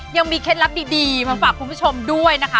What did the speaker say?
เคล็ดลับดีมาฝากคุณผู้ชมด้วยนะคะ